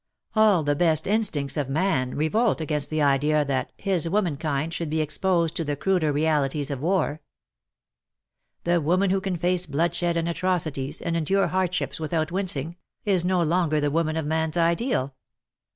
All the best instincts of 7nan revolt against the idea that his womankind" should be exposed to the cruder realities of war. The woman who can face bloodshed and atrocities, and endure hardships without wincing, is no longer the woman of man's ideal.